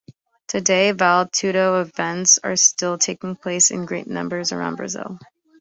Today, Vale Tudo events are still taking place in great numbers around Brazil.